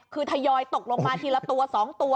คือทยอยตกลงมาทีละตัว๒ตัว